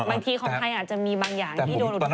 บางทีของไทยอาจจะมีบางอย่างที่โดนหลุด